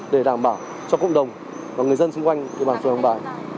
để đảm bảo cho cộng đồng và người dân xung quanh phường hàng bài